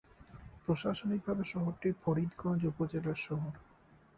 প্রশাসনিকভাবে শহরটি ফরিদগঞ্জ উপজেলার শহর।